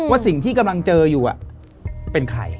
สิ่งที่กำลังเจออยู่เป็นใคร